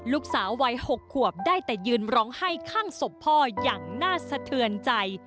ลูกสาววัย๖ขวบได้แต่ยืนร้องไห้ข้างศพพ่ออย่างน่าสะเทือนใจ